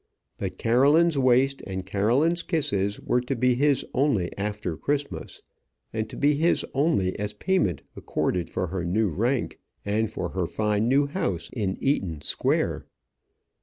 But Caroline's waist and Caroline's kisses were to be his only after Christmas; and to be his only as payment accorded for her new rank, and for her fine new house in Eaton Square.